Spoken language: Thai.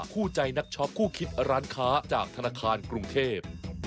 คู่ใจนักช็อปคู่คิดร้านค้าจากธนาคารกรุงเทพ